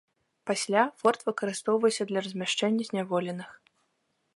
Пасля форт выкарыстоўваўся для размяшчэння зняволеных.